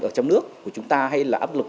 ở trong nước của chúng ta hay là áp lực